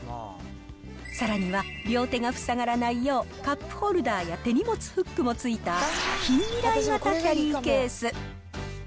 さらには両手が塞がらないよう、カップホルダーや手荷物フックもついた近未来型キャリーケース。